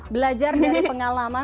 belajar dari pengalaman